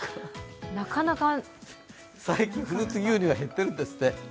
なかなかフルーツ牛乳が減ってるんですって。